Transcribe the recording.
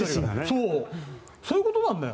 そういうことなんだよ。